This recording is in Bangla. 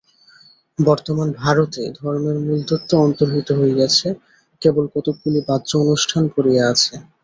বর্তমান ভারতে ধর্মের মূলতত্ত্ব অন্তর্হিত হইয়াছে, কেবল কতকগুলি বাহ্য অনুষ্ঠান পড়িয়া আছে।